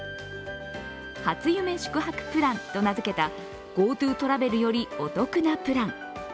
初夢宿泊プランと名付けたＧｏＴｏトラベルよりお得なプラン。